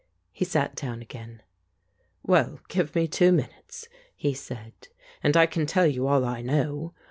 He sat down again. "Well, give me two minutes," he said, "and I can tell you all I know.